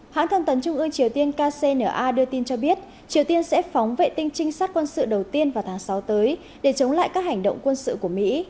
hãng thông tấn trung ương triều tiên kcna đưa tin cho biết triều tiên sẽ phóng vệ tinh trinh sát quân sự đầu tiên vào tháng sáu tới để chống lại các hành động quân sự của mỹ